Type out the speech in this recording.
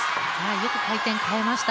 よく回転、変えました。